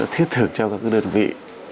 thiết thực cho các đơn vị